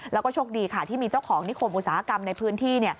แล้วก็โชคดีค่ะที่มีเจ้าของนิคมอุตสาหกรรมในพื้นที่